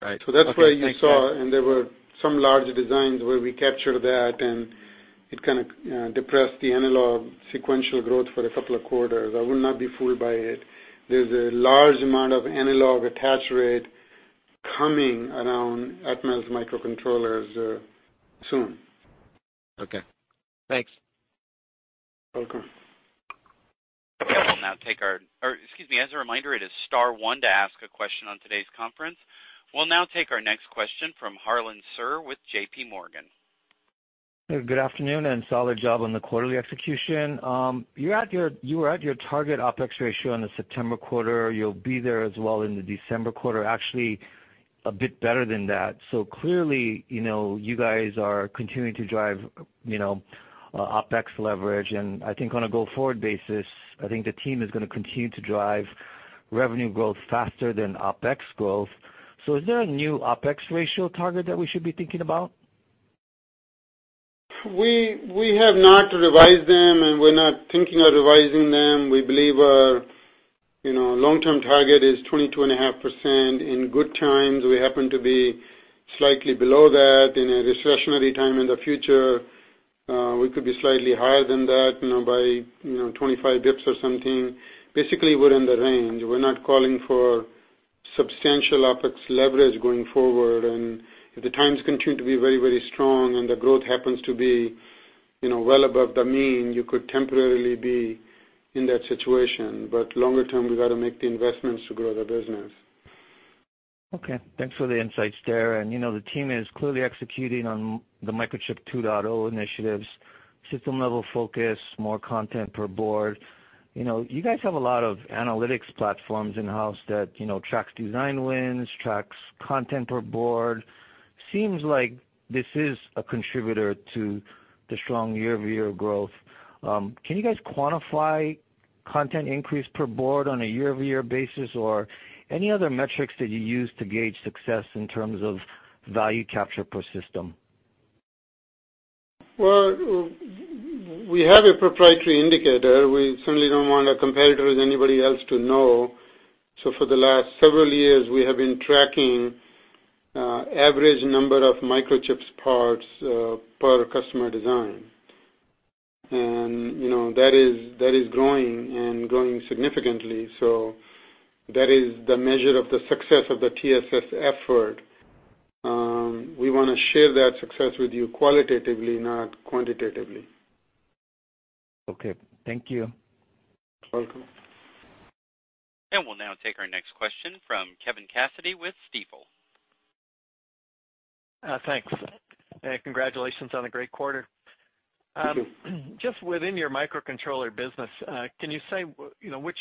Right. Okay, thanks. That's why you saw, and there were some large designs where we captured that, and it kind of depressed the analog sequential growth for a couple of quarters. I would not be fooled by it. There's a large amount of analog attach rate coming around Atmel's microcontrollers soon. Okay. Thanks. Welcome. Excuse me, as a reminder, it is star one to ask a question on today's conference. We'll now take our next question from Harlan Sur with J.P. Morgan. Good afternoon, solid job on the quarterly execution. You were at your target OPEX ratio on the September quarter. You'll be there as well in the December quarter, actually a bit better than that. Clearly, you guys are continuing to drive OPEX leverage and I think on a go-forward basis, I think the team is going to continue to drive revenue growth faster than OPEX growth. Is there a new OPEX ratio target that we should be thinking about? We have not revised them, we're not thinking of revising them. We believe our long-term target is 22.5%. In good times, we happen to be slightly below that. In a recessionary time in the future, we could be slightly higher than that, by 25 bps or something. Basically, we're in the range. We're not calling for substantial OPEX leverage going forward. If the times continue to be very strong and the growth happens to be well above the mean, you could temporarily be in that situation. Longer term, we've got to make the investments to grow the business. Okay, thanks for the insights there. The team is clearly executing on the Microchip 2.0 initiatives, system-level focus, more content per board. You guys have a lot of analytics platforms in-house that tracks design wins, tracks content per board. Seems like this is a contributor to the strong year-over-year growth. Can you guys quantify content increase per board on a year-over-year basis, or any other metrics that you use to gauge success in terms of value capture per system? We have a proprietary indicator. We certainly don't want our competitors or anybody else to know. For the last several years, we have been tracking average number of Microchip's parts per customer design. That is growing and growing significantly. That is the measure of the success of the TSS effort. We want to share that success with you qualitatively, not quantitatively. Thank you. Welcome. We'll now take our next question from Kevin Cassidy with Stifel. Thanks. Congratulations on a great quarter. Thank you. Just within your microcontroller business, can you say which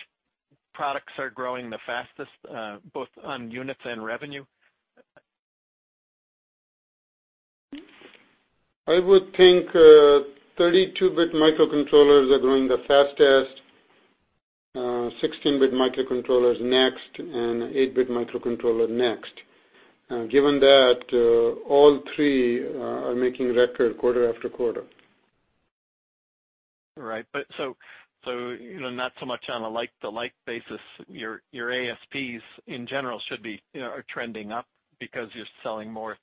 products are growing the fastest, both on units and revenue? I would think 32-bit microcontrollers are growing the fastest, 16-bit microcontrollers next, and 8-bit microcontroller next. All three are making record quarter after quarter. Right. Not so much on a like-to-like basis. Your ASPs in general are trending up because you're selling more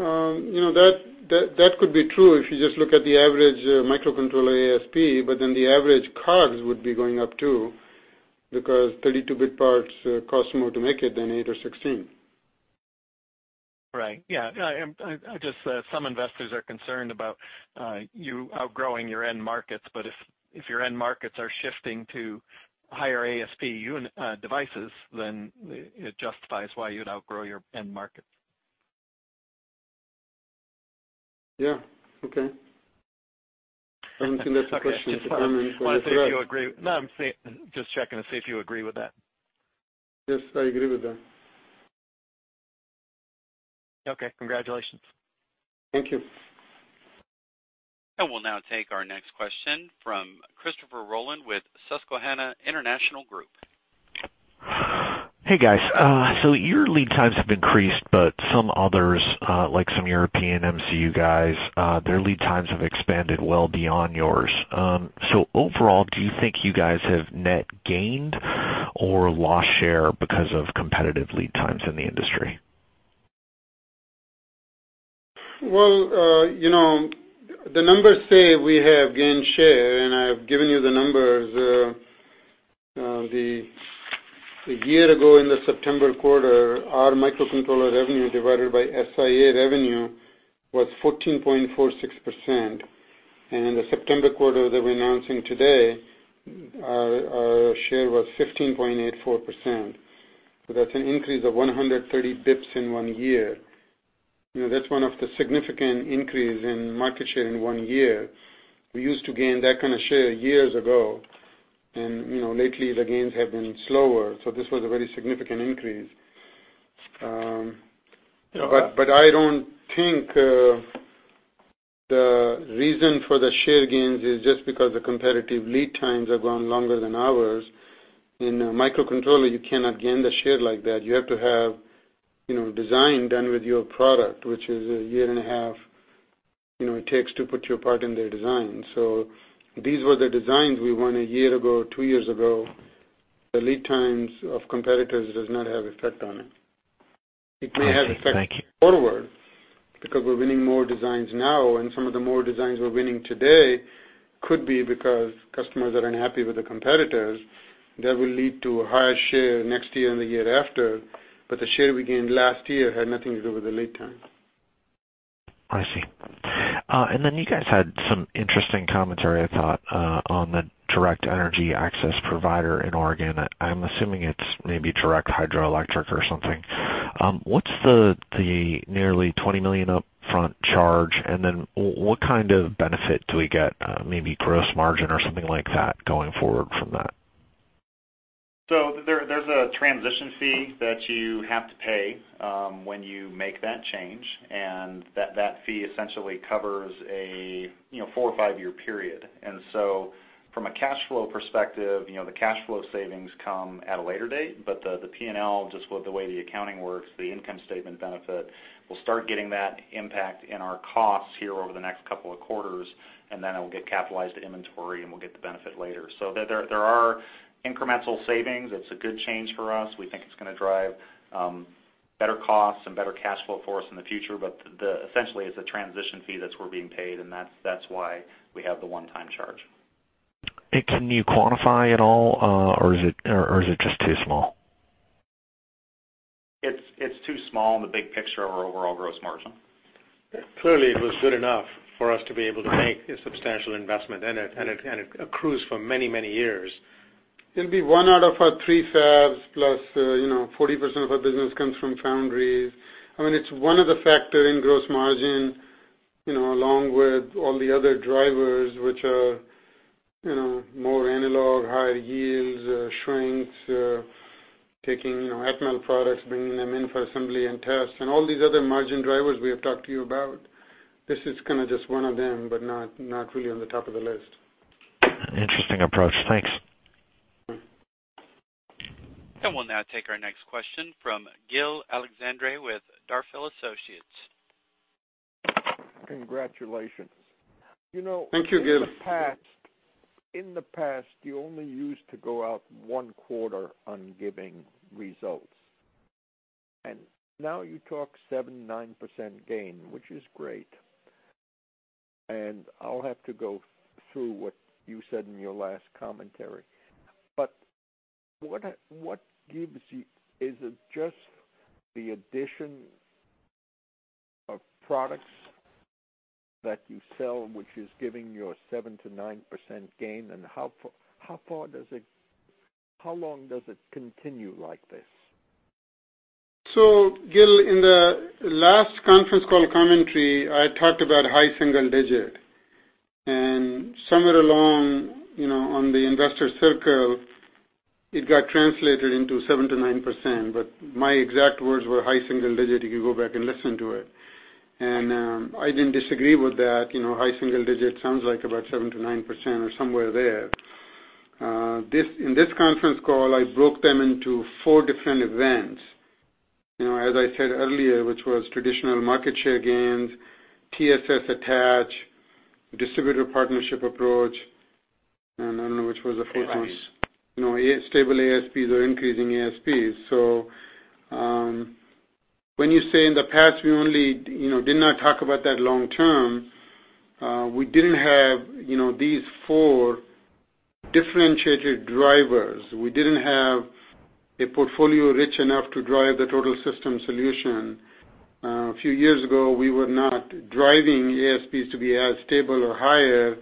32-bit? That could be true if you just look at the average microcontroller ASP. Then the average COGS would be going up too, because 32-bit parts cost more to make it than eight or 16. Right. Yeah. Some investors are concerned about you outgrowing your end markets. If your end markets are shifting to higher ASP devices, it justifies why you'd outgrow your end markets. Yeah. Okay. I don't think that's a question for me. Go ahead. I wanted to see if you agree. No, I'm just checking to see if you agree with that. Yes, I agree with that. Okay. Congratulations. Thank you. We'll now take our next question from Christopher Rolland with Susquehanna International Group. Hey, guys. Your lead times have increased, but some others, like some European MCU guys, their lead times have expanded well beyond yours. Overall, do you think you guys have net gained or lost share because of competitive lead times in the industry? Well, the numbers say we have gained share. I've given you the numbers. A year ago, in the September quarter, our microcontroller revenue divided by SIA revenue was 14.46%. In the September quarter that we're announcing today, our share was 15.84%. That's an increase of 130 bps in one year. That's one of the significant increase in market share in one year. We used to gain that kind of share years ago, and lately, the gains have been slower. This was a very significant increase. Yeah. I don't think the reason for the share gains is just because the competitive lead times have gone longer than ours. In a microcontroller, you cannot gain the share like that. You have to have design done with your product, which is a year and a half it takes to put you a part in their design. These were the designs we won a year ago, two years ago. The lead times of competitors does not have effect on it. I see. Thank you. It may have effect forward because we're winning more designs now, some of the more designs we're winning today could be because customers are unhappy with the competitors. That will lead to a higher share next year and the year after, the share we gained last year had nothing to do with the lead time. I see. You guys had some interesting commentary, I thought, on the direct energy access provider in Oregon. I'm assuming it's maybe direct hydroelectric or something. What's the nearly $20 million upfront charge? What kind of benefit do we get, maybe gross margin or something like that, going forward from that? There's a transition fee that you have to pay when you make that change, and that fee essentially covers a four or five-year period. From a cash flow perspective, the cash flow savings come at a later date, the P&L, just with the way the accounting works, the income statement benefit, we'll start getting that impact in our costs here over the next couple of quarters, and then it will get capitalized to inventory, and we'll get the benefit later. There are incremental savings. It's a good change for us. We think it's going to drive better costs and better cash flow for us in the future. Essentially, it's a transition fee that's we're being paid, and that's why we have the one-time charge. Can you quantify at all, or is it just too small? It's too small in the big picture of our overall gross margin. Clearly, it was good enough for us to be able to make a substantial investment, and it accrues for many, many years. It'll be one out of our three fabs plus 40% of our business comes from foundries. I mean, it's one of the factor in gross margin, along with all the other drivers, which are more analog, higher yields, shrinks, taking Atmel products, bringing them in for assembly and tests, and all these other margin drivers we have talked to you about. This is kind of just one of them, but not really on the top of the list. Interesting approach. Thanks. We'll now take our next question from Gil Alexandre with Darfield Associates. Congratulations. Thank you, Gil. In the past, you only used to go out one quarter on giving results. Now you talk 7%-9% gain, which is great, and I'll have to go through what you said in your last commentary. What gives you? Is it just the addition of products that you sell, which is giving you a 7%-9% gain, and how long does it continue like this? Gil, in the last conference call commentary, I talked about high single digit. Somewhere along on the investor circle, it got translated into 7%-9%, but my exact words were high single digit, if you go back and listen to it. I didn't disagree with that. High single digit sounds like about 7%-9% or somewhere there. In this conference call, I broke them into four different events. As I said earlier, which was traditional market share gains, TSS attach, distributor partnership approach, and I don't know which was the fourth one. ASPs. Stable ASPs or increasing ASPs. When you say in the past, we only did not talk about that long term, we didn't have these four differentiated drivers. We didn't have a portfolio rich enough to drive the total system solution. A few years ago, we were not driving ASPs to be as stable or higher.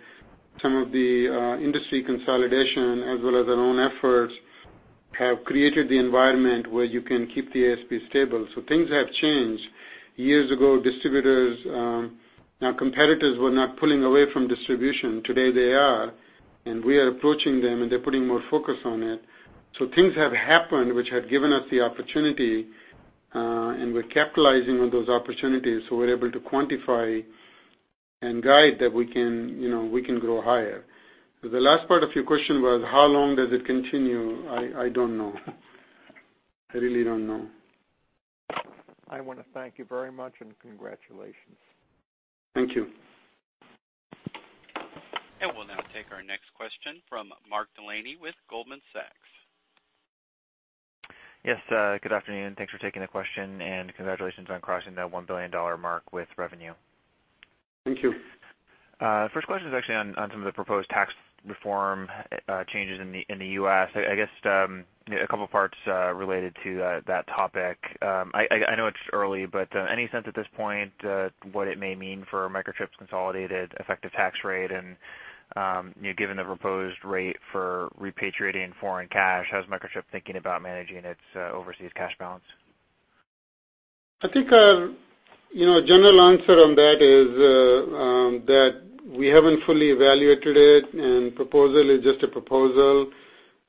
Some of the industry consolidation as well as our own efforts have created the environment where you can keep the ASP stable. Things have changed. Years ago, distributors, now competitors were not pulling away from distribution. Today they are, and we are approaching them, and they're putting more focus on it. Things have happened which have given us the opportunity, and we're capitalizing on those opportunities, so we're able to quantify and guide that we can grow higher. The last part of your question was how long does it continue? I don't know. I really don't know. I want to thank you very much, and congratulations. Thank you. We'll now take our next question from Mark Delaney with Goldman Sachs. Yes, good afternoon. Thanks for taking the question, and congratulations on crossing that $1 billion mark with revenue. Thank you. First question is actually on some of the proposed tax reform changes in the U.S. I guess a couple parts related to that topic. I know it's early, but any sense at this point what it may mean for Microchip's consolidated effective tax rate and given the proposed rate for repatriating foreign cash, how's Microchip thinking about managing its overseas cash balance? I think a general answer on that is that we haven't fully evaluated it, and proposal is just a proposal.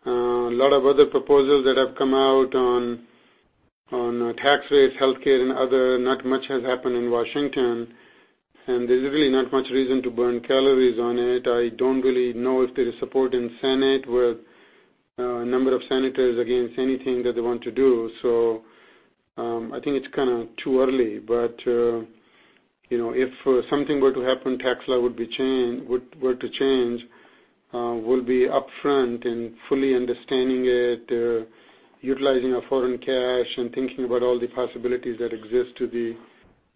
A lot of other proposals that have come out on tax rates, healthcare, and other, not much has happened in Washington, and there's really not much reason to burn calories on it. I don't really know if there is support in Senate with a number of senators against anything that they want to do. I think it's kind of too early, but if something were to happen, tax law were to change, we'll be upfront in fully understanding it, utilizing our foreign cash, and thinking about all the possibilities that exist to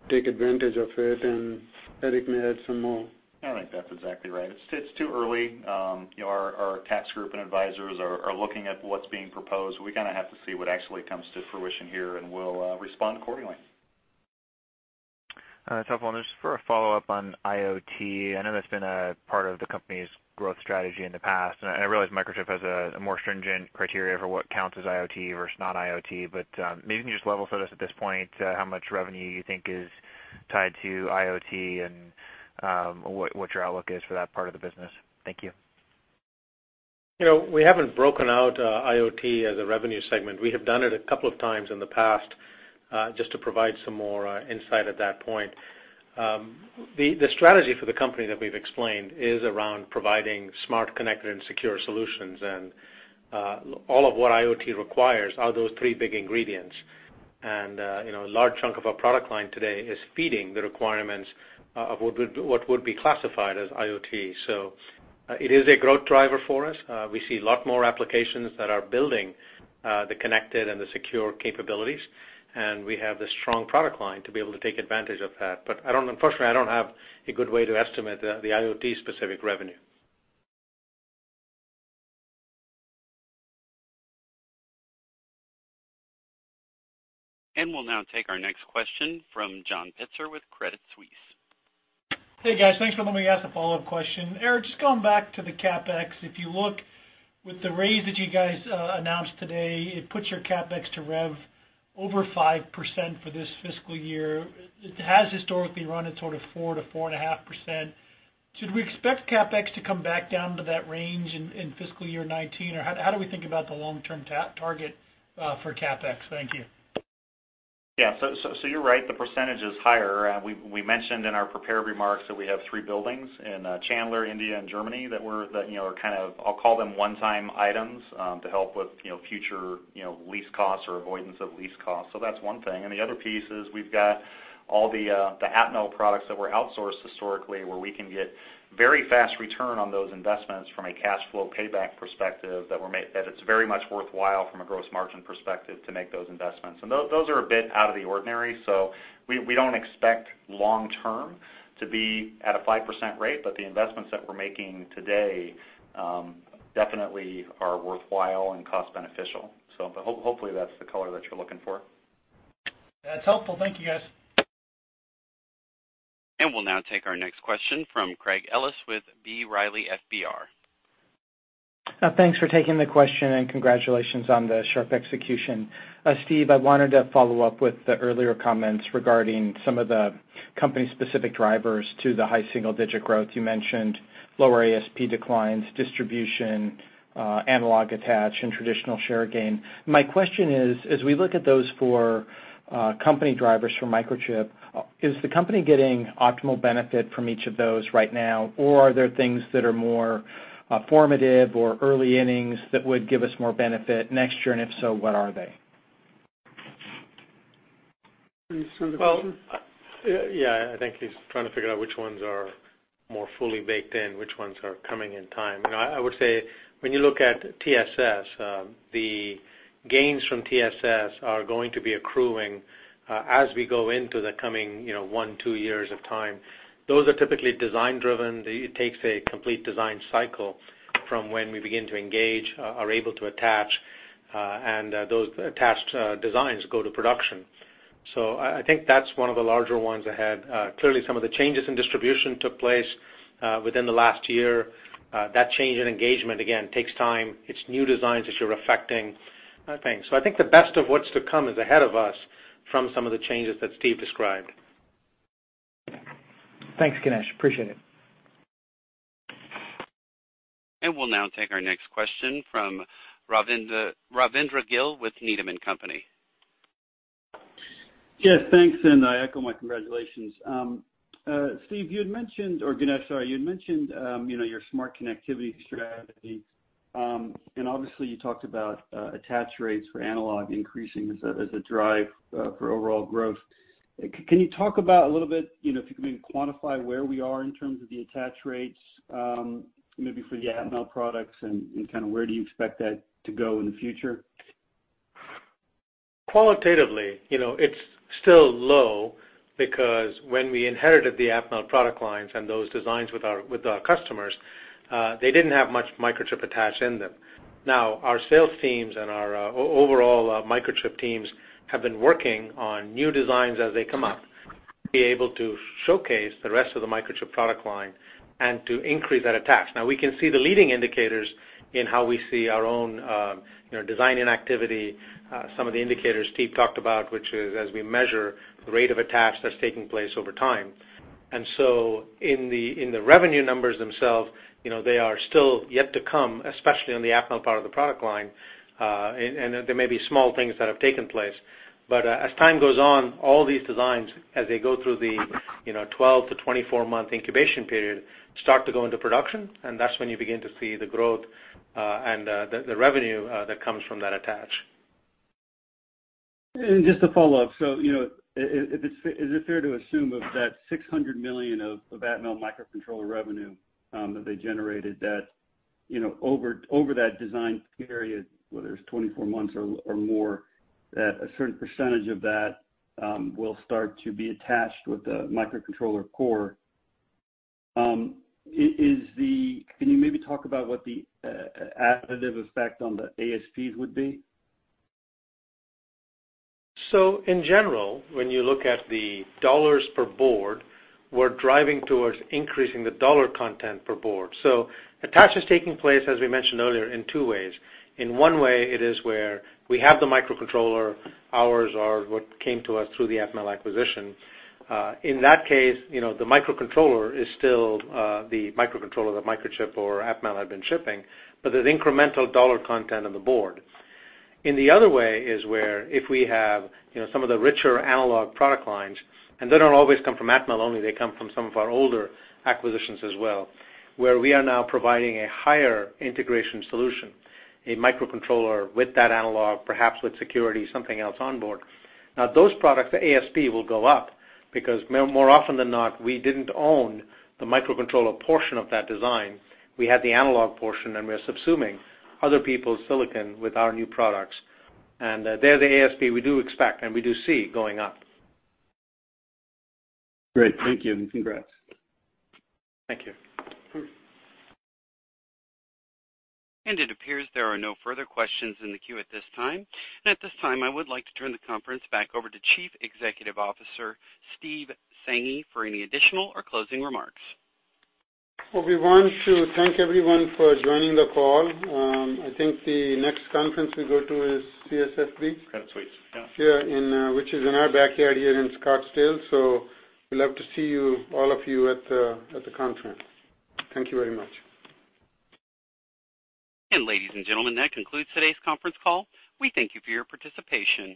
take advantage of it. Eric may add some more. I think that's exactly right. It's too early. Our tax group and advisors are looking at what's being proposed. We kind of have to see what actually comes to fruition here, and we'll respond accordingly. All right. Tapwan, just for a follow-up on IoT. I know that's been a part of the company's growth strategy in the past, and I realize Microchip has a more stringent criteria for what counts as IoT versus not IoT, but maybe you can just level set us at this point how much revenue you think is tied to IoT and what your outlook is for that part of the business. Thank you. We haven't broken out IoT as a revenue segment. We have done it a couple of times in the past just to provide some more insight at that point. The strategy for the company that we've explained is around providing smart, connected, and secure solutions, and all of what IoT requires are those three big ingredients. A large chunk of our product line today is feeding the requirements of what would be classified as IoT. It is a growth driver for us. We see a lot more applications that are building the connected and the secure capabilities, and we have the strong product line to be able to take advantage of that. Unfortunately, I don't have a good way to estimate the IoT specific revenue. We'll now take our next question from John Pitzer with Credit Suisse. Hey, guys. Thanks for letting me ask a follow-up question. Eric, just going back to the CapEx, if you look with the raise that you guys announced today, it puts your CapEx to rev over 5% for this fiscal year. It has historically run at sort of 4%-4.5%. Should we expect CapEx to come back down to that range in fiscal year 2019, or how do we think about the long-term target for CapEx? Thank you. Yeah. You're right, the percentage is higher. We mentioned in our prepared remarks that we have three buildings in Chandler, India, and Germany that are kind of, I'll call them one-time items to help with future lease costs or avoidance of lease costs. That's one thing, and the other piece is we've got all the Atmel products that were outsourced historically, where we can get very fast return on those investments from a cash flow payback perspective that it's very much worthwhile from a gross margin perspective to make those investments. Those are a bit out of the ordinary. We don't expect long-term to be at a 5% rate, but the investments that we're making today definitely are worthwhile and cost beneficial. Hopefully that's the color that you're looking for. That's helpful. Thank you, guys. We'll now take our next question from Craig Ellis with B. Riley FBR. Thanks for taking the question and congratulations on the sharp execution. Steve, I wanted to follow up with the earlier comments regarding some of the company specific drivers to the high single-digit growth. You mentioned lower ASP declines, distribution, analog attach, and traditional share gain. My question is, as we look at those four company drivers for Microchip, is the company getting optimal benefit from each of those right now? Or are there things that are more formative or early innings that would give us more benefit next year? If so, what are they? Can you restate the question? Well, yeah, I think he's trying to figure out which ones are more fully baked in, which ones are coming in time. I would say when you look at TSS, the gains from TSS are going to be accruing as we go into the coming one, two years of time. Those are typically design driven. It takes a complete design cycle from when we begin to engage, are able to attach, and those attached designs go to production. I think that's one of the larger ones ahead. Clearly, some of the changes in distribution took place within the last year. That change in engagement, again, takes time. It's new designs that you're affecting, I think. I think the best of what's to come is ahead of us from some of the changes that Steve described. Thanks, Ganesh. Appreciate it. We'll now take our next question from Rajvindra Gill with Needham & Company. Yes, thanks, and I echo my congratulations. Steve, you had mentioned, or Ganesh, sorry, you had mentioned your smart connectivity strategy. Obviously, you talked about attach rates for analog increasing as a drive for overall growth. Can you talk about a little bit, if you can maybe quantify where we are in terms of the attach rates, maybe for the Atmel products and kind of where do you expect that to go in the future? Qualitatively, it's still low because when we inherited the Atmel product lines and those designs with our customers, they didn't have much Microchip attached in them. Now, our sales teams and our overall Microchip teams have been working on new designs as they come up, to be able to showcase the rest of the Microchip product line and to increase that attach. Now, we can see the leading indicators in how we see our own design-in activity, some of the indicators Steve talked about, which is as we measure the rate of attach that's taking place over time. So in the revenue numbers themselves, they are still yet to come, especially on the Atmel part of the product line. There may be small things that have taken place. As time goes on, all these designs, as they go through the 12-24-month incubation period, start to go into production, and that's when you begin to see the growth and the revenue that comes from that attach. Just to follow up. Is it fair to assume of that $600 million of Atmel microcontroller revenue that they generated, that over that design period, whether it's 24 months or more, that a certain percentage of that will start to be attached with the microcontroller core? Can you maybe talk about what the additive effect on the ASPs would be? In general, when you look at the dollars per board, we're driving towards increasing the dollar content per board. Attach is taking place, as we mentioned earlier, in two ways. In one way, it is where we have the microcontroller, ours are what came to us through the Atmel acquisition. In that case, the microcontroller is still the microcontroller that Microchip or Atmel have been shipping, but there's incremental dollar content on the board. The other way is where if we have some of the richer analog product lines, and they don't always come from Atmel only, they come from some of our older acquisitions as well, where we are now providing a higher integration solution, a microcontroller with that analog, perhaps with security, something else on board. Those products, the ASP will go up because more often than not, we didn't own the microcontroller portion of that design. We had the analog portion, and we are subsuming other people's silicon with our new products. There, the ASP, we do expect and we do see going up. Great. Thank you, and congrats. Thank you. It appears there are no further questions in the queue at this time. At this time, I would like to turn the conference back over to Chief Executive Officer, Steve Sanghi, for any additional or closing remarks. Well, we want to thank everyone for joining the call. I think the next conference we go to is CSSB- Suite, yeah. Yeah, which is in our backyard here in Scottsdale. We'd love to see all of you at the conference. Thank you very much. Ladies and gentlemen, that concludes today's conference call. We thank you for your participation.